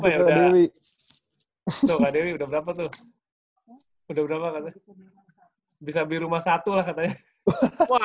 ya udah tuh kak dewi udah berapa tuh udah berapa katanya sih bisa beli rumah satu lah katanya